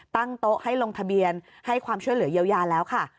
ตั้งโต๊ะให้ลงทะเบียนให้ความช่วยเหลือเยียวยาแล้วค่ะ